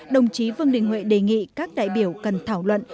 đồng chí vương đình huệ đề nghị các đại biểu cần thảo luận